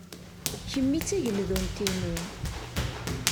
Kemmi d tageldunt-inu.